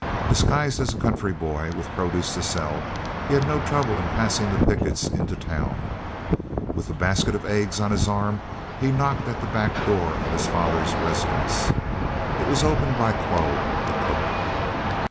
Disguised as a country boy with produce to sell, he had no trouble in passing the pickets into town. With a basket of eggs on his arm, he knocked at the back door of his father's residence. It was opened by Chloe, the cook.